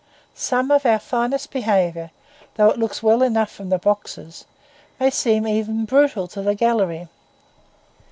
Some of our finest behaviour, though it looks well enough from the boxes, may seem even brutal to the gallery.